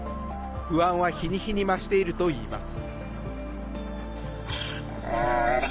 不安は日に日に増しているといいます。